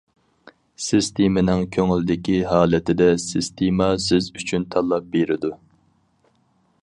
سىستېمىنىڭ كۆڭۈلدىكى ھالىتىدە سىستېما سىز ئۈچۈن تاللاپ بېرىدۇ.